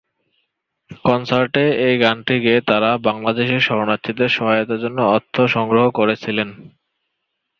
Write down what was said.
কনসার্টে এই গান গেয়ে তারা বাংলাদেশী শরণার্থীদের সহায়তার জন্য অর্থ সংগ্রহ করেছিলেন।